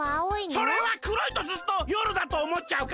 それはくろいとずっとよるだとおもっちゃうから。